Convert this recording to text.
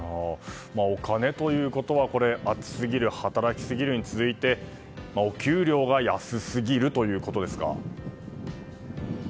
お金ということは暑すぎる、働きすぎるに続いてお給料が安すぎるということですか。